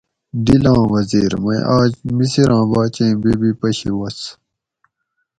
ڈیلاں وزیر، مئ آج مصراں باچیں بی بی پشی وس،